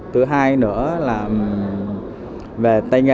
thứ hai nữa là về tay nghề